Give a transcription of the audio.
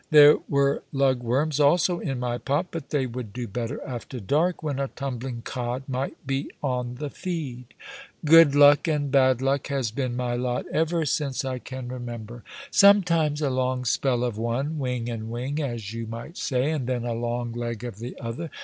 There were lug worms also in my pot, but they would do better after dark, when a tumbling cod might be on the feed. Good luck and bad luck has been my lot ever since I can remember; sometimes a long spell of one, wing and wing, as you might say, and then a long leg of the other.